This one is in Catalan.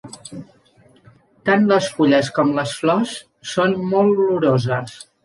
Tant les fulles com les flors són molt oloroses.